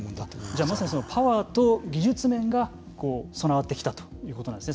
じゃあまさにそのパワーと技術面が備わってきたということなんですね。